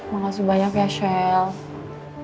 makasih banyak ya shelf